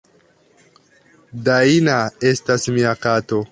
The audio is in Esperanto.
"Dajna estas mia kato.